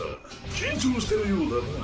緊張してるようだな。